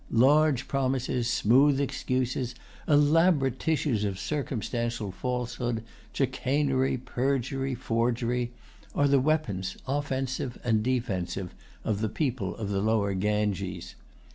Large promises, smooth excuses, elaborate tissues of circumstantial falsehood, chicanery, perjury, forgery, are the weapons, offensive and defensive, of the people of the Lower Ganges.